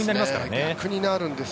逆になるんです。